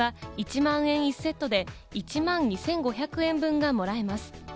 紙の場合は１万円１セットで１万２５００円分がもらえます。